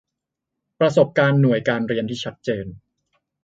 ประสบการณ์หน่วยการเรียนที่ชัดเจน